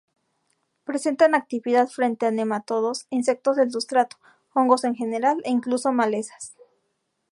Presentan actividad frente a nematodos, insectos del sustrato, hongos en general e incluso malezas.